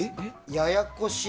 ややこしい。